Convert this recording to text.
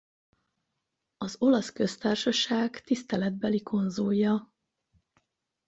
Az Olasz Köztársaság tiszteletbeli konzulja.